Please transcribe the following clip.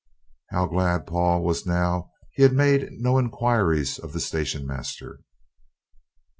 How glad Paul was now he had made no inquiries of the station master!